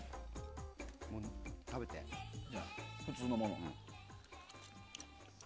食べて、普通のも。